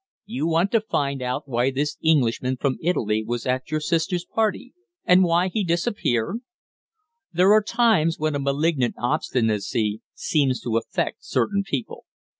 You want to find out why this Englishman from Italy was at your sister's party, and why he disappeared?" There are times when a malignant obstinacy seems to affect certain people.